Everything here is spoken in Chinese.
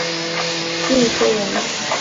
见说文。